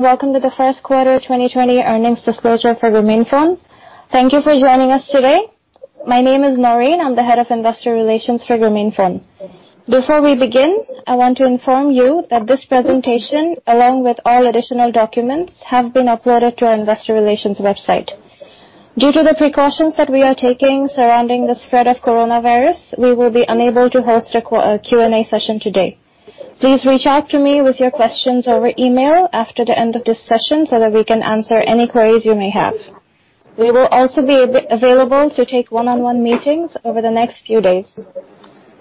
Welcome to the First Quarter 2020 Earnings Disclosure for Grameenphone. Thank you for joining us today. My name is Naureen, I'm the Head of Investor Relations for Grameenphone. Before we begin, I want to inform you that this presentation, along with all additional documents, have been uploaded to our investor relations website. Due to the precautions that we are taking surrounding the spread of coronavirus, we will be unable to host a Q&A session today. Please reach out to me with your questions over email after the end of this session so that we can answer any queries you may have. We will also be available to take one-on-one meetings over the next few days.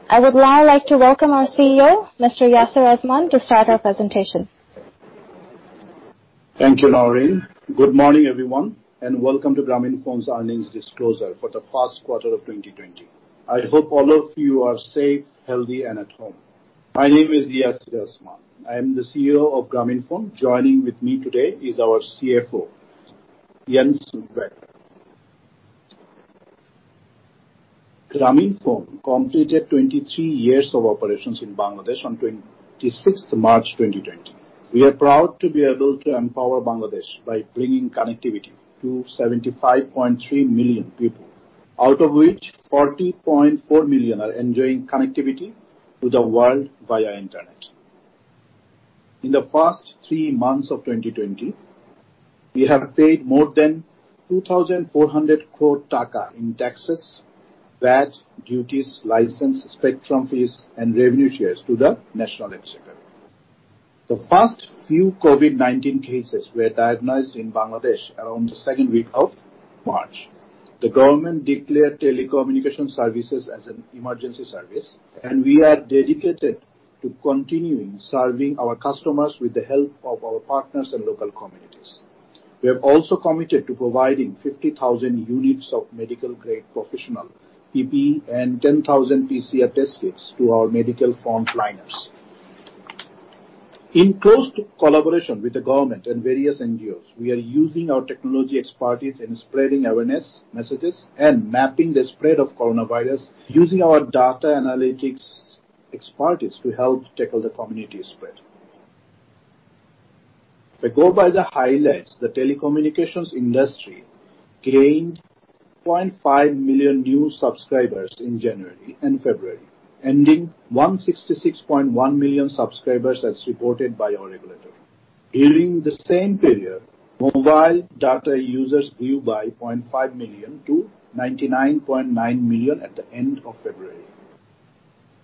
I would now like to welcome our CEO, Mr. Yasir Azman, to start our presentation. Thank you, Naureen. Good morning, everyone, and welcome to Grameenphone's earnings disclosure for the first quarter of 2020. I hope all of you are safe, healthy, and at home. My name is Yasir Azman. I am the CEO of Grameenphone. Joining with me today is our CFO, Jens Becker. Grameenphone completed 23 years of operations in Bangladesh on 26th March 2020. We are proud to be able to empower Bangladesh by bringing connectivity to 75.3 million people, out of which 40.4 million are enjoying connectivity to the world via internet. In the first three months of 2020, we have paid more than 2,400 crore taka in taxes, VAT, duties, license, spectrum fees, and revenue shares to the National Exchequer. The first few COVID-19 cases were diagnosed in Bangladesh around the second week of March. The government declared telecommunication services as an emergency service, and we are dedicated to continuing serving our customers with the help of our partners and local communities. We have also committed to providing 50,000 units of medical-grade professional PPE and 10,000 PCR test kits to our medical frontliners. In close collaboration with the government and various NGOs, we are using our technology expertise in spreading awareness messages and mapping the spread of coronavirus using our data analytics expertise to help tackle the community spread. If we go by the highlights, the telecommunications industry gained 0.5 million new subscribers in January and February, ending 166.1 million subscribers as reported by our regulator. During the same period, mobile data users grew by 0.5 million to 99.9 million at the end of February.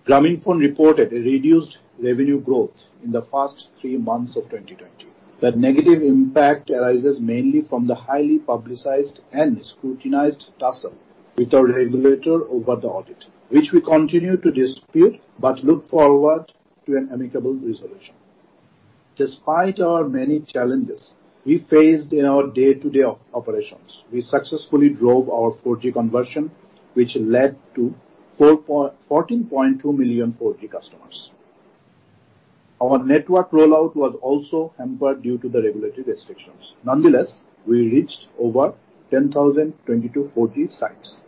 Grameenphone reported a reduced revenue growth in the first three months of 2020. That negative impact arises mainly from the highly publicized and scrutinized tussle with our regulator over the audit, which we continue to dispute, but look forward to an amicable resolution. Despite our many challenges we faced in our day-to-day operations, we successfully drove our 4G conversion, which led to 14.2 million 4G customers. Our network rollout was also hampered due to the regulatory restrictions. Nonetheless, we reached over 10,022 4G sites.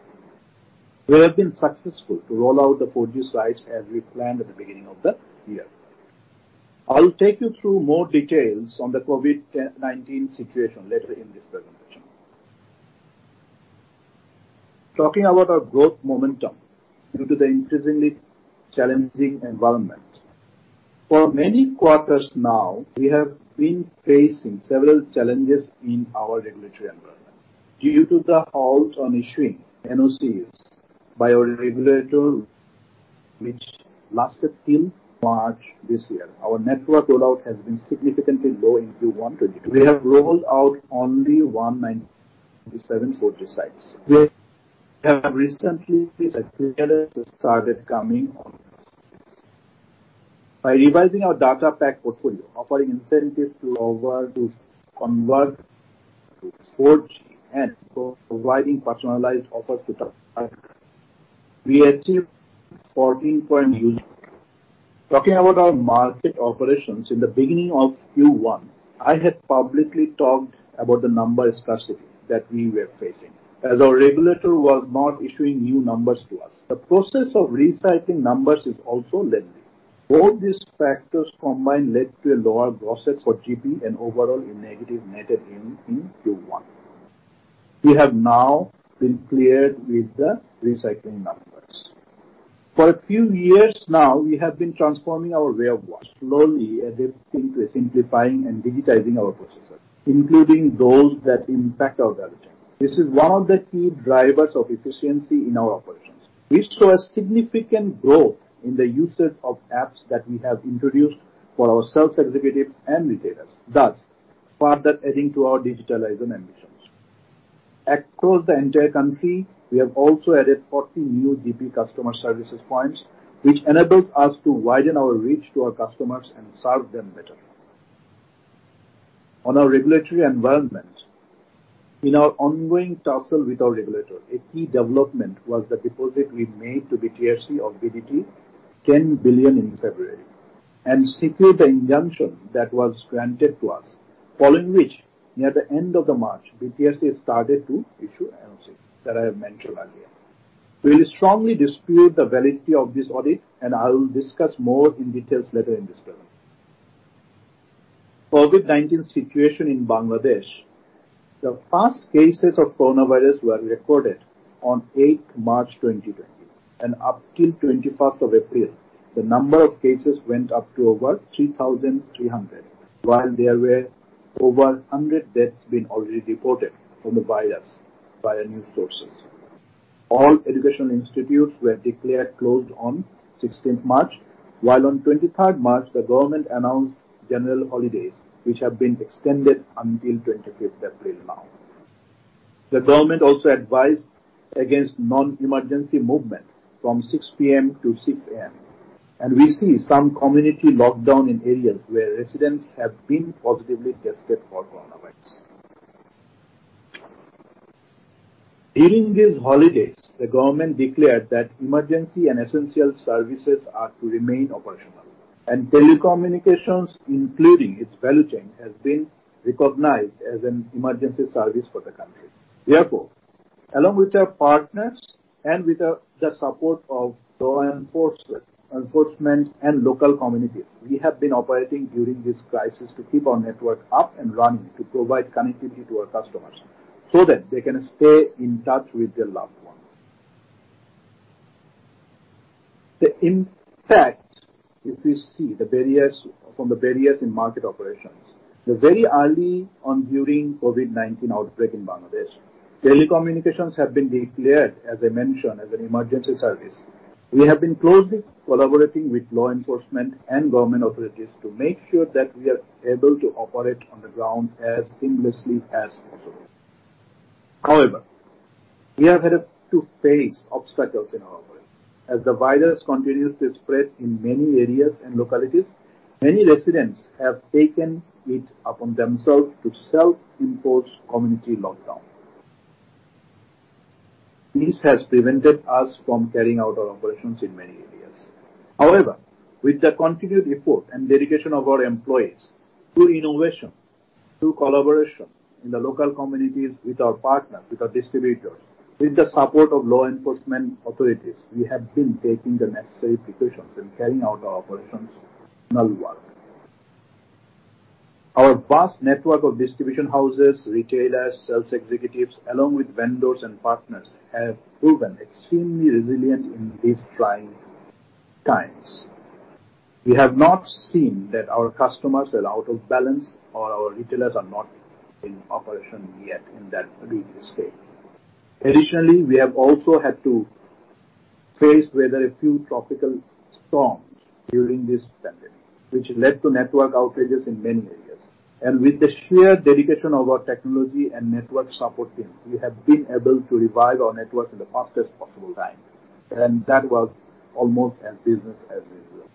We have been successful to roll out the 4G sites as we planned at the beginning of the year. I'll take you through more details on the COVID-19 situation later in this presentation. Talking about our growth momentum due to the increasingly challenging environment. For many quarters now, we have been facing several challenges in our regulatory environment. Due to the halt on issuing NOCs by our regulator, which lasted till March this year, our network rollout has been significantly low in Q1 2020. We have rolled out only 197 4G sites. We have recently started coming on. By revising our data pack portfolio, offering incentives to convert to 4G, and providing personalized offers to the customer, we achieved 14.8 million. Talking about our market operations, in the beginning of Q1, I had publicly talked about the number scarcity that we were facing, as our regulator was not issuing new numbers to us. The process of recycling numbers is also lengthy. Both these factors combined led to a lower gross add for GP and overall a negative net add in Q1. We have now been cleared with the recycling numbers. For a few years now, we have been transforming our way of work, slowly adapting to simplifying and digitizing our processes, including those that impact our value chain. This is one of the key drivers of efficiency in our operations. We saw a significant growth in the usage of apps that we have introduced for our sales executive and retailers, thus further adding to our digitalization ambitions. Across the entire country, we have also added 40 new GP customer services points, which enables us to widen our reach to our customers and serve them better. On our regulatory environment, in our ongoing tussle with our regulator, a key development was the deposit we made to BTRC of BDT 10 billion in February and secured the injunction that was granted to us, following which, near the end of the March, BTRC started to issue NOCs that I have mentioned earlier. We strongly dispute the validity of this audit, and I will discuss more in details later in this program. COVID-19 situation in Bangladesh. The first cases of coronavirus were recorded on 8th March 2020, and up till 21st of April, the number of cases went up to over 3,300, while there were over 100 deaths been already reported from the virus by news sources. All educational institutes were declared closed on 16th March, while on 23rd March, the government announced general holidays, which have been extended until 25th April now. The government also advised against non-emergency movement from 6:00 P.M. to 6:00 A.M., and we see some community lockdown in areas where residents have been positively tested for coronavirus. During these holidays, the government declared that emergency and essential services are to remain operational, and telecommunications, including its value chain, has been recognized as an emergency service for the country. Therefore, along with our partners and with the support of law enforcement and local communities, we have been operating during this crisis to keep our network up and running to provide connectivity to our customers so that they can stay in touch with their loved ones. In fact, if we see from the barriers in market operations, the very early on during COVID-19 outbreak in Bangladesh, telecommunications have been declared, as I mentioned, as an emergency service. We have been closely collaborating with law enforcement and government authorities to make sure that we are able to operate on the ground as seamlessly as possible. However, we have had to face obstacles in our operation. As the virus continues to spread in many areas and localities, many residents have taken it upon themselves to self-impose community lockdown. This has prevented us from carrying out our operations in many areas. However, with the continued effort and dedication of our employees through innovation, through collaboration in the local communities with our partners, with our distributors, with the support of law enforcement authorities, we have been taking the necessary precautions and carrying out our operations well. Our vast network of distribution houses, retailers, sales executives, along with vendors and partners, have proven extremely resilient in these trying times. We have not seen that our customers are out of balance or our retailers are not in operation yet in that big scale. Additionally, we have also had to face weather, a few tropical storms during this pandemic, which led to network outages in many areas. With the sheer dedication of our technology and network support team, we have been able to revive our network in the fastest possible time, and that was almost as business as usual.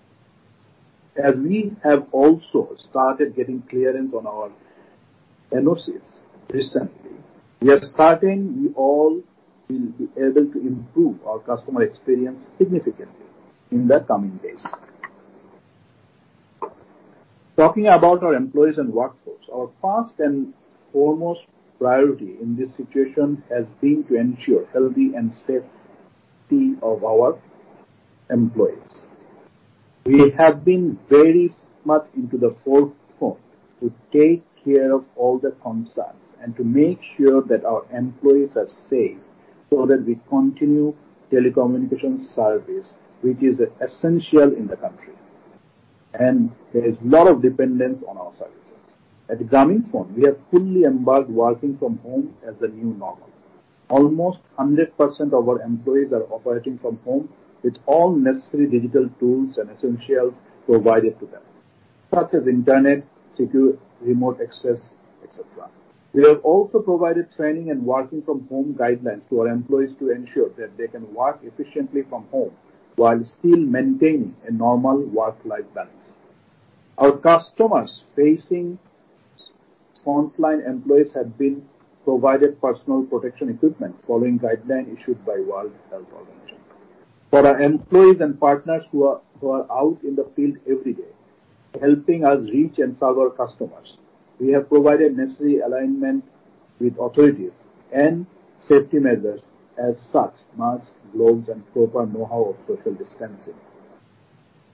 As we have also started getting clearance on our NOCs recently, we are certain we all will be able to improve our customer experience significantly in the coming days. Talking about our employees and workforce, our first and foremost priority in this situation has been to ensure health and safety of our employees. We have been very much into the forefront to take care of all the concerns and to make sure that our employees are safe, so that we continue telecommunication service, which is essential in the country, and there is lot of dependence on our services. At Grameenphone, we have fully embarked working from home as the new normal. Almost 100% of our employees are operating from home with all necessary digital tools and essentials provided to them, such as internet, secure remote access, et cetera. We have also provided training and working from home guidelines to our employees to ensure that they can work efficiently from home while still maintaining a normal work-life balance. Our customers facing frontline employees have been provided personal protection equipment following guideline issued by World Health Organization. For our employees and partners who are out in the field every day, helping us reach and serve our customers, we have provided necessary alignment with authorities and safety measures as such, masks, gloves, and proper know-how of social distancing.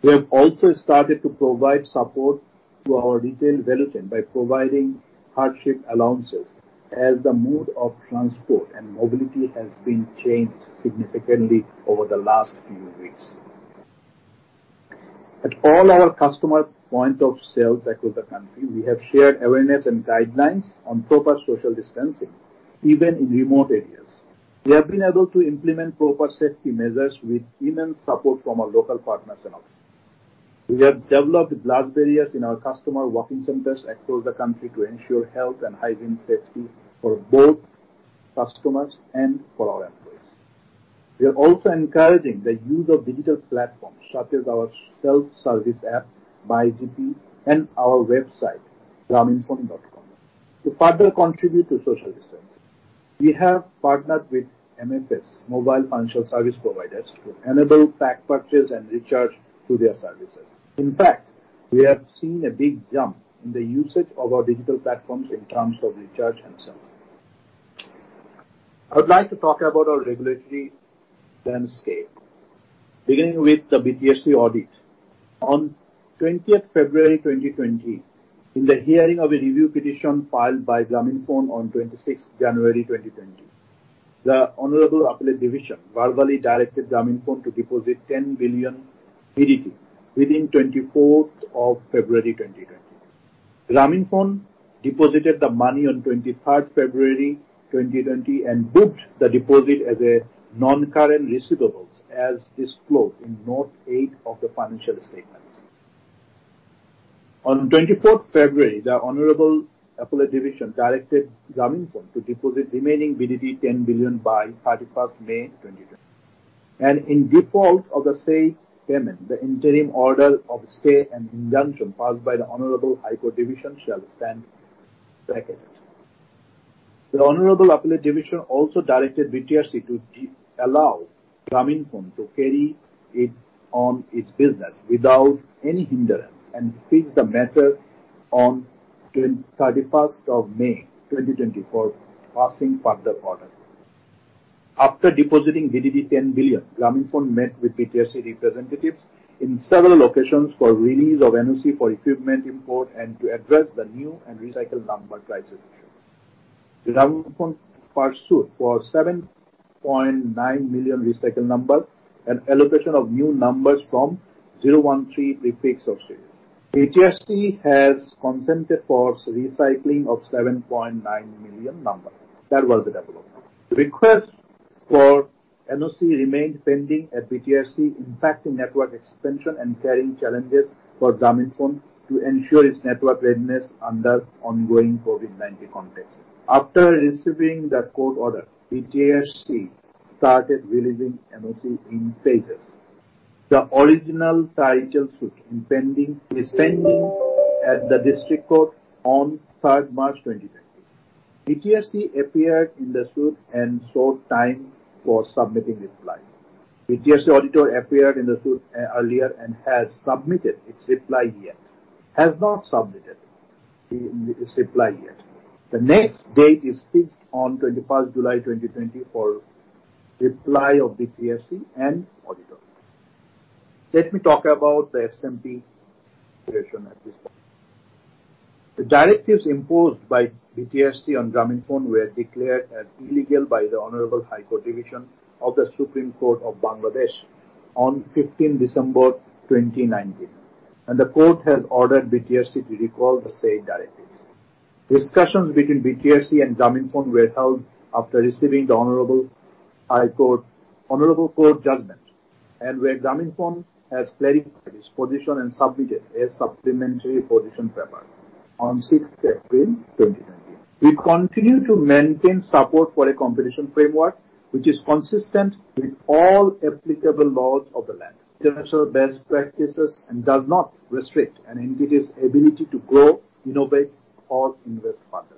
We have also started to provide support to our detailed evaluation by providing hardship allowances as the mode of transport and mobility has been changed significantly over the last few weeks. At all our customer point of sales across the country, we have shared awareness and guidelines on proper social distancing, even in remote areas. We have been able to implement proper safety measures with immense support from our local partners and others. We have developed glass barriers in our customer walk-in centers across the country to ensure health and hygiene safety for both customers and for our employees. We are also encouraging the use of digital platforms, such as our self-service app, MyGP, and our website, grameenphone.com, to further contribute to social distancing. We have partnered with MFPs, mobile financial service providers, to enable pack purchase and recharge through their services. We have seen a big jump in the usage of our digital platforms in terms of recharge and so on. I would like to talk about our regulatory landscape, beginning with the BTRC audit. On 20th February 2020, in the hearing of a review petition filed by Grameenphone on 26th January 2020, the Honorable Appellate Division verbally directed Grameenphone to deposit BDT 10 billion within 24th of February 2020. Grameenphone deposited the money on 23rd February 2020 and booked the deposit as a non-current receivables, as disclosed in note eight of the financial statements. On 24th February, the Honorable Appellate Division directed Grameenphone to deposit remaining BDT 10 billion by 31st May 2020, and in default of the said payment, the interim order of stay and injunction passed by the Honorable High Court Division shall stand vacated. The Honorable Appellate Division also directed BTRC to allow Grameenphone to carry on its business without any hindrance and fix the matter on 31st of May 2020 for passing further orders. After depositing BDT 10 billion, Grameenphone met with BTRC representatives in several occasions for release of NOC for equipment import and to address the new and recycled number crisis issue. Grameenphone pursued for 7.9 million recycled number and allocation of new numbers from 013 prefix of series. BTRC has consented for recycling of 7.9 million numbers. That was the development. The request for NOC remained pending at BTRC, impacting network expansion and carrying challenges for Grameenphone to ensure its network readiness under ongoing COVID-19 context. After receiving the court order, BTRC started releasing NOC in phases. The original title suit is pending at the District Court on 3rd March 2020. BTRC appeared in the suit and sought time for submitting reply. BTRC auditor appeared in the suit earlier and has not submitted its reply yet. The next date is fixed on 21st July 2020 for reply of BTRC and auditor. Let me talk about the SMP situation at this point. The directives imposed by BTRC on Grameenphone were declared as illegal by the Honorable High Court Division of the Supreme Court of Bangladesh on 15 December 2019, and the court has ordered BTRC to recall the said directives. Discussions between BTRC and Grameenphone were held after receiving the Honorable Court judgment, and where Grameenphone has clarified its position and submitted a supplementary position paper on 6th April 2020. We continue to maintain support for a competition framework which is consistent with all applicable laws of the land, international best practices, and does not restrict an entity's ability to grow, innovate, or invest further.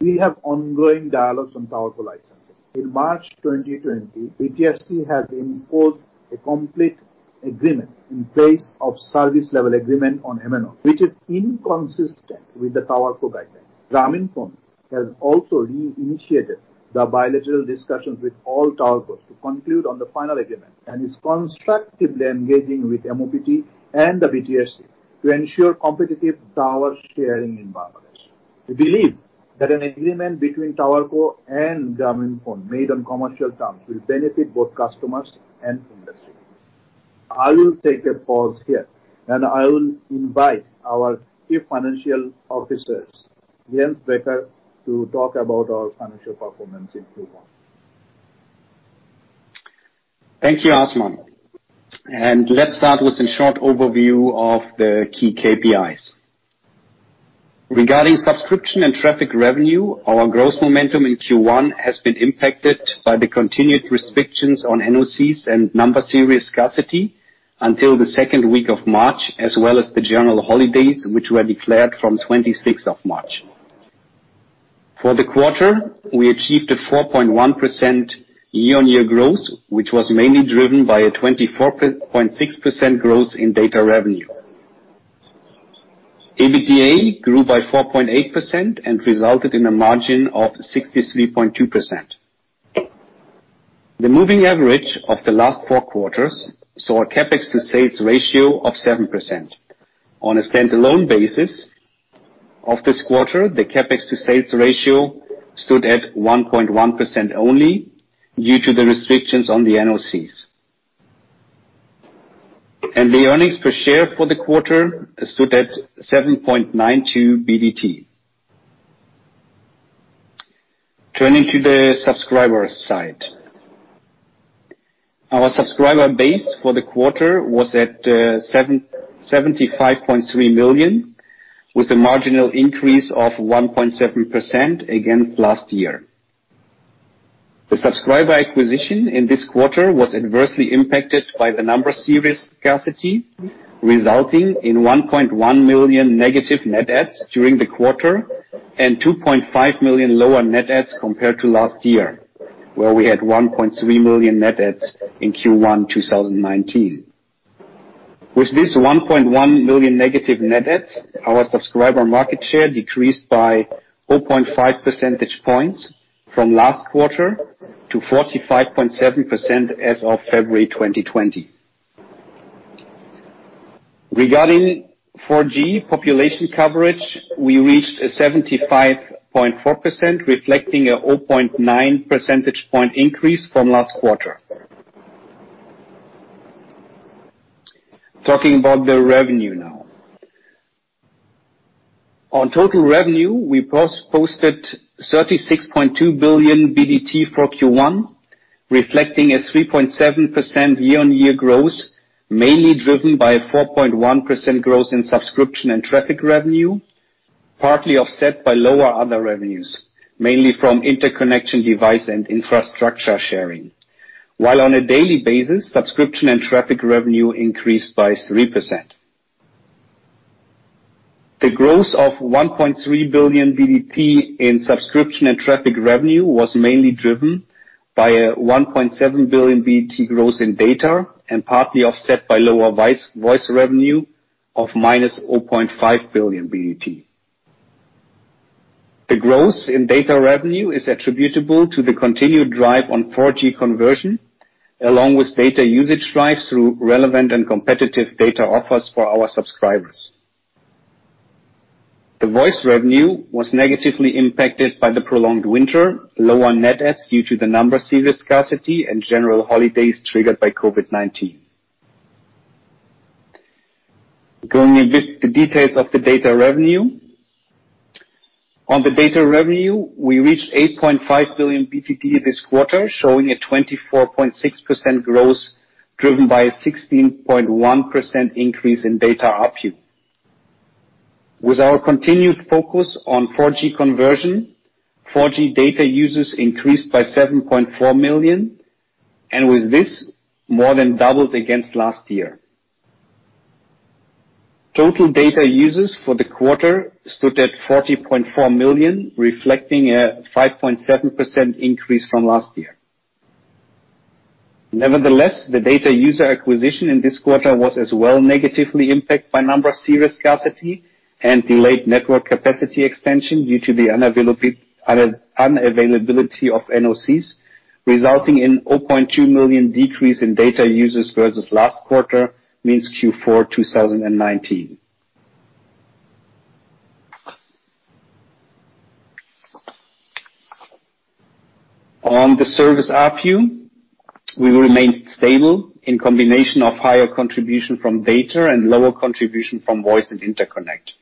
We have ongoing dialogues on Tower Co-licensing. In March 2020, BTRC has imposed a complete agreement in place of service level agreement on MNO, which is inconsistent with the Tower Co guidelines. Grameenphone has also re-initiated the bilateral discussions with all Tower Cos to conclude on the final agreement, and is constructively engaging with MoPT and the BTRC to ensure competitive tower sharing in Bangladesh. We believe that an agreement between Tower Co and Grameenphone made on commercial terms will benefit both customers and industry. I will take a pause here, and I will invite our Chief Financial Officer, Jens Becker, to talk about our financial performance in Q1. Thank you, Azman. Let's start with a short overview of the key KPIs. Regarding subscription and traffic revenue, our growth momentum in Q1 has been impacted by the continued restrictions on NOCs and number series scarcity until the second week of March, as well as the general holidays, which were declared from 26th of March. For the quarter, we achieved a 4.1% year-on-year growth, which was mainly driven by a 24.6% growth in data revenue. EBITDA grew by 4.8% and resulted in a margin of 63.2%. The moving average of the last four quarters saw a CapEx to sales ratio of 7%. On a standalone basis of this quarter, the CapEx to sales ratio stood at 1.1% only due to the restrictions on the NOCs. The earnings per share for the quarter stood at BDT 7.92. Turning to the subscriber side. Our subscriber base for the quarter was at 75.3 million, with a marginal increase of 1.7% against last year. The subscriber acquisition in this quarter was adversely impacted by the number series scarcity, resulting in 1.1 million negative net adds during the quarter and 2.5 million lower net adds compared to last year. Where we had 1.3 million net adds in Q1 2019. With this 1.1 million negative net adds, our subscriber market share decreased by 0.5 percentage points from last quarter to 45.7% as of February 2020. Regarding 4G population coverage, we reached 75.4%, reflecting a 0.9 percentage point increase from last quarter. Talking about the revenue now. On total revenue, we posted BDT 36.2 billion for Q1, reflecting a 3.7% year-on-year growth, mainly driven by a 4.1% growth in subscription and traffic revenue, partly offset by lower other revenues, mainly from interconnection device and infrastructure sharing. On a daily basis, subscription and traffic revenue increased by 3%. The growth of BDT 1.3 billion in subscription and traffic revenue was mainly driven by a BDT 1.7 billion growth in data. Partly offset by lower voice revenue of minus BDT 0.5 billion. The growth in data revenue is attributable to the continued drive on 4G conversion, along with data usage drives through relevant and competitive data offers for our subscribers. The voice revenue was negatively impacted by the prolonged winter, lower net adds due to the number series scarcity, and general holidays triggered by COVID-19. Going in with the details of the data revenue. On the data revenue, we reached BDT 8.5 billion this quarter, showing a 24.6% growth driven by a 16.1% increase in data ARPU. With our continued focus on 4G conversion, 4G data users increased by 7.4 million, and with this, more than doubled against last year. Total data users for the quarter stood at 40.4 million, reflecting a 5.7% increase from last year. The data user acquisition in this quarter was as well negatively impacted by number series scarcity and delayed network capacity expansion due to the unavailability of NOCs, resulting in 0.2 million decrease in data users versus last quarter, means Q4 2019. On the service ARPU, we remained stable in combination of higher contribution from data and lower contribution from voice and interconnect.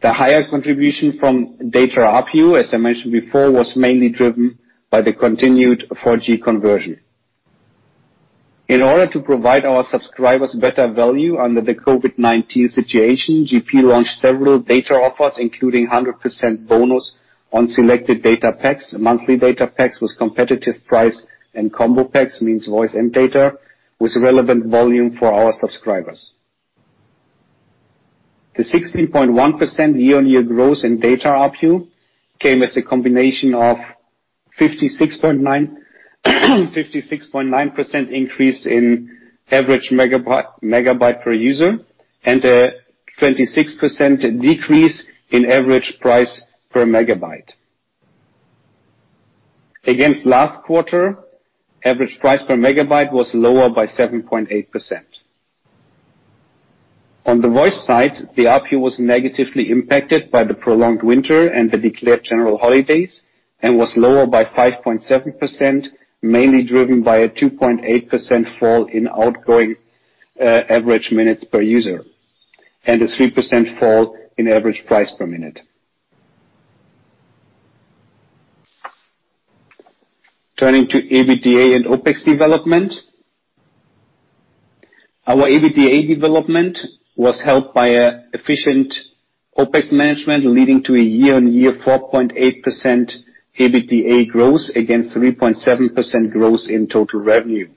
The higher contribution from data ARPU, as I mentioned before, was mainly driven by the continued 4G conversion. In order to provide our subscribers better value under the COVID-19 situation, GP launched several data offers, including 100% bonus on selected data packs, monthly data packs with competitive price, and combo packs, means voice and data, with relevant volume for our subscribers. The 16.1% year-on-year growth in data ARPU came as a combination of 56.9% increase in average megabyte per user, and a 26% decrease in average price per megabyte. Against last quarter, average price per megabyte was lower by 7.8%. On the voice side, the ARPU was negatively impacted by the prolonged winter and the declared general holidays, and was lower by 5.7%, mainly driven by a 2.8% fall in outgoing average minutes per user, and a 3% fall in average price per minute. Turning to EBITDA and OPEX development. Our EBITDA development was helped by a efficient OPEX management leading to a year-on-year 4.8% EBITDA growth against 3.7% growth in total revenue.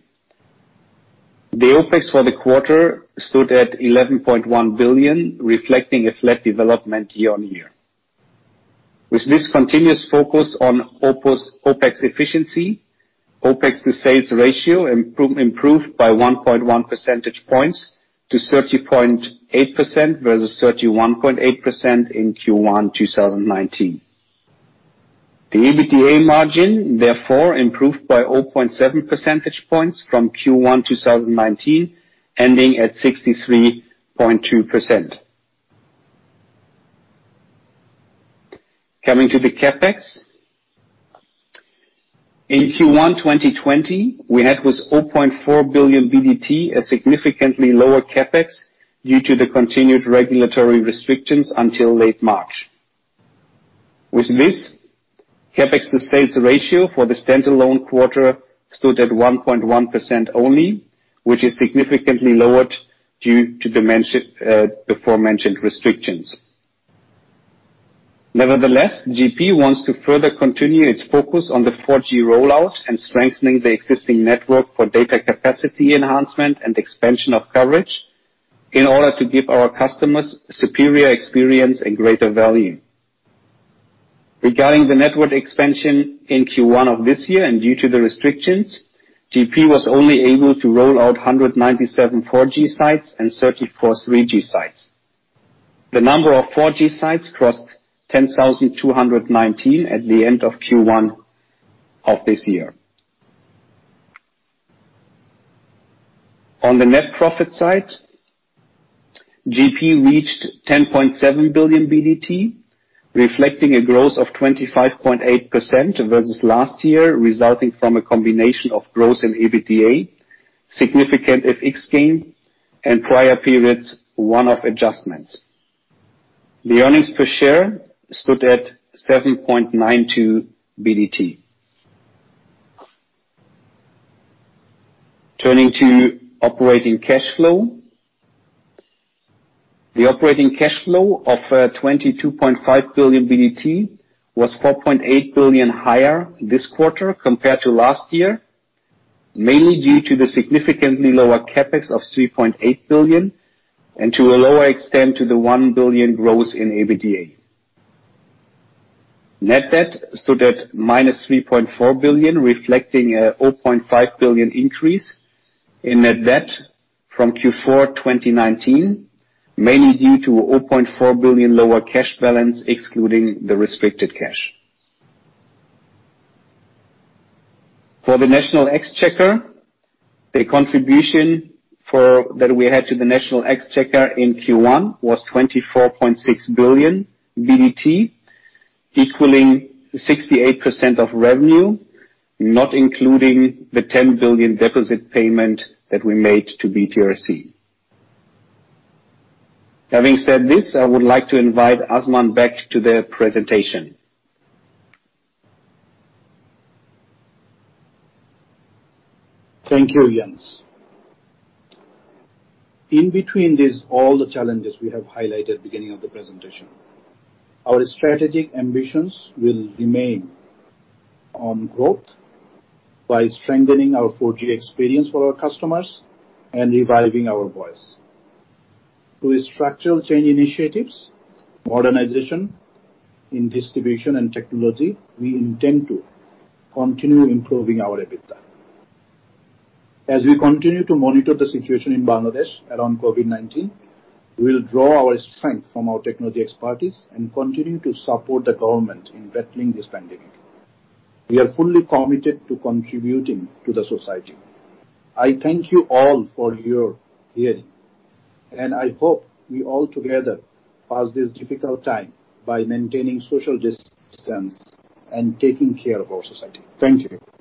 The OPEX for the quarter stood at BDT 11.1 billion, reflecting a flat development year-on-year. With this continuous focus on OPEX efficiency, OPEX to sales ratio improved by 1.1 percentage points to 30.8% versus 31.8% in Q1 2019. The EBITDA margin therefore improved by 0.7 percentage points from Q1 2019, ending at 63.2%. Coming to the CapEx. In Q1 2020, we had with BDT 0.4 billion, a significantly lower CapEx due to the continued regulatory restrictions until late March. With this, CapEx to sales ratio for the standalone quarter stood at 1.1% only, which is significantly lowered due to the aforementioned restrictions. Nevertheless, GP wants to further continue its focus on the 4G rollout and strengthening the existing network for data capacity enhancement and expansion of coverage. In order to give our customers superior experience and greater value. Regarding the network expansion in Q1 of this year and due to the restrictions, GP was only able to roll out 197 4G sites and 34 3G sites. The number of 4G sites crossed 10,219 at the end of Q1 of this year. On the net profit side, GP reached BDT 10.7 billion, reflecting a growth of 25.8% versus last year, resulting from a combination of growth in EBITDA, significant FX gain, and prior periods one-off adjustments. The earnings per share stood at BDT 7.92. Turning to operating cash flow. The operating cash flow of BDT 22.5 billion was BDT 4.8 billion higher this quarter compared to last year, mainly due to the significantly lower CapEx of BDT 3.8 billion and to a lower extent to the BDT 1 billion growth in EBITDA. Net debt stood at -BDT 3.4 billion, reflecting a BDT 0.5 billion increase in net debt from Q4 2019, mainly due to BDT 0.4 billion lower cash balance excluding the restricted cash. For the National Exchequer, the contribution that we had to the National Exchequer in Q1 was BDT 24.6 billion, equaling 68% of revenue, not including the BDT 10 billion deposit payment that we made to BTRC. Having said this, I would like to invite Azman back to the presentation. Thank you, Jens. In between these, all the challenges we have highlighted beginning of the presentation, our strategic ambitions will remain on growth by strengthening our 4G experience for our customers and reviving our voice. Through structural change initiatives, modernization in distribution and technology, we intend to continue improving our EBITDA. As we continue to monitor the situation in Bangladesh around COVID-19, we'll draw our strength from our technology expertise and continue to support the government in battling this pandemic. We are fully committed to contributing to the society. I thank you all for your hearing, and I hope we all together pass this difficult time by maintaining social distance and taking care of our society. Thank you